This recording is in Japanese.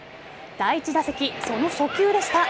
第１打席、その初球でした。